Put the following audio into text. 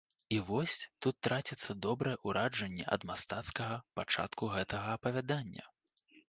І вось тут траціцца добрае ўражанне ад мастацкага пачатку гэтага апавядання.